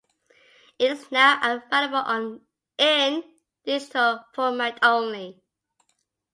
It is now available in digital format only.